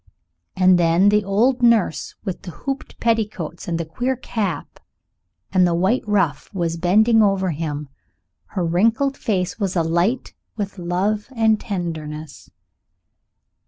And then the old nurse with the hooped petticoats and the queer cap and the white ruff was bending over him; her wrinkled face was alight with love and tenderness.